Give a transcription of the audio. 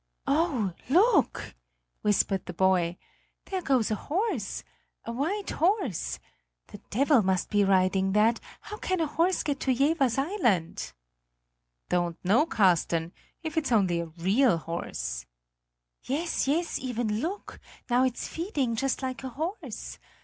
"Oh, look!" whispered the boy; "there goes a horse a white horse the devil must be riding that how can a horse get to Jevers Island?" "Don't know, Carsten; if it's only a real horse!" "Yes, yes, Iven; look, now it's feeding just like a horse!